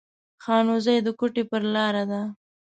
خانوزۍ د کوټي پر لار ده